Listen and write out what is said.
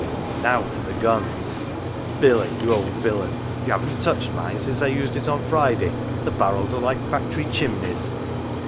Now for the guns ! "Billy, you old villain, you haven't touched mine since I used it on Friday ! The barrels are like factory chimneys."